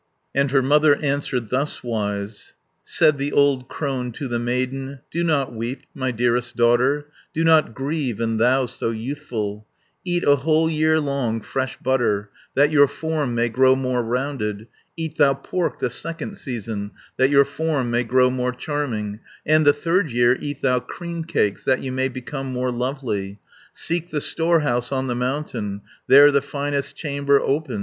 '" And her mother answered thus wise, Said the old crone to the maiden, "Do not weep, my dearest daughter, Do not grieve (and thou so youthful); 120 Eat a whole year long fresh butter, That your form may grow more rounded, Eat thou pork the second season, That your form may grow more charming, And the third year eat thou cream cakes, That you may become more lovely. Seek the storehouse on the mountain, There the finest chamber open.